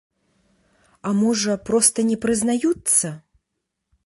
А можа, проста не прызнаюцца.